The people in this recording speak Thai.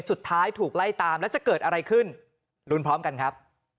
สุดท้ายถูกไล่ตามแล้วจะเกิดอะไรขึ้นลุ้นพร้อมกันครับ